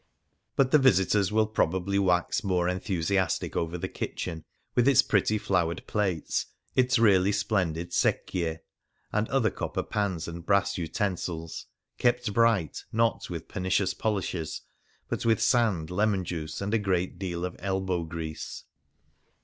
But the visitors will prob ably wax more enthusiastic over the kitchen, with its pretty flowered plates, its really splendid secchie, and other copper pans and brass utensils, kept bright, not with pernicious polishes, but with sand, lemon juice, and a great deal of elbow grease.